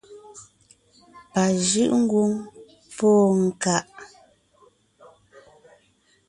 Pà jʉ́’ ńgwóŋ póo ńká.